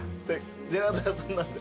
ジェラート屋さんなんで。